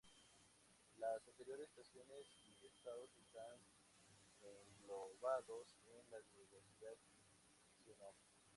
Las anteriores situaciones y estados están englobados en la diversidad funcional.